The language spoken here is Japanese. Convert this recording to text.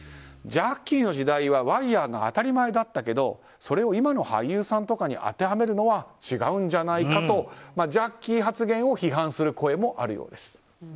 ジャッキーの時代はワイヤが当たり前だったけどそれを今の俳優さんとかに当てはめるのは違うんじゃないかとジャッキー発言を批判する声もあるようです。